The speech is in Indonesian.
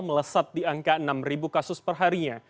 melesat di angka enam kasus perharinya